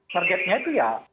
targetnya itu ya